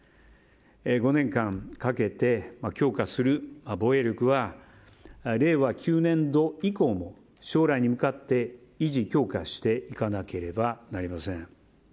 ５年間かけて強化する防衛力は令和９年度以降も将来に向かって維持・強化していかなければなりません。